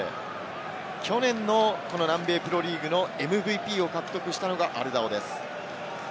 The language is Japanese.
去年の南米プロリーグのＭＶＰを獲得したのがアルダオ選手です。